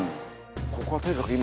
ここはとにかく今。